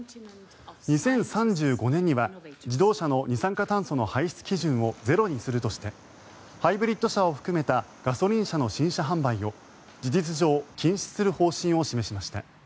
２０３５年には自動車の二酸化炭素の排出基準をゼロにするとしてハイブリッド車を含めたガソリン車の新車販売を事実上、禁止する方針を示しました。